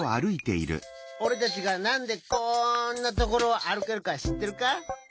おれたちがなんでこんなところをあるけるかしってるか？